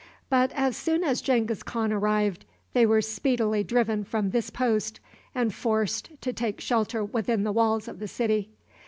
But as soon as Genghis Khan arrived they were speedily driven from this post, and forced to take shelter within the walls of the city.